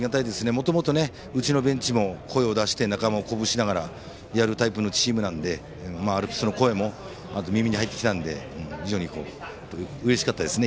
もともとうちのベンチも声を出して仲間を鼓舞するタイプのチームなので、アルプスの声も耳に入ってきたので非常にうれしかったですね。